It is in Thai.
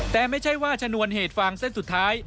แต่ไม่ใช่ว่าชนวนเหตุฟางเส้นสุดท้าย